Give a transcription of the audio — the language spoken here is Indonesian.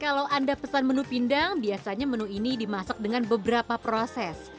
kalau anda pesan menu pindang biasanya menu ini dimasak dengan beberapa proses